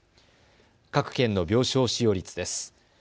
各県の病床使用率です。